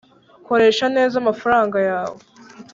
koresha neza amafaranga yawe